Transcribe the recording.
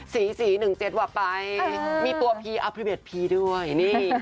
สี่สี่หนึ่งเจ็ดหวับไปมีตัวพีอภิเวศพีด้วยนี่